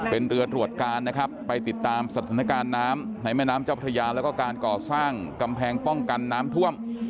เป็นเรือตรวจการนะครับไปติดตามสถานการณ์น้ำในแม่น้ำเจ้าพระยาแล้วก็การก่อสร้างกำแพงป้องกันน้ำท่วม